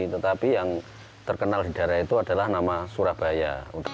tetapi yang terkenal di daerah itu adalah nama surabaya